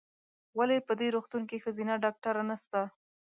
ولې په دي روغتون کې ښځېنه ډاکټره نسته ؟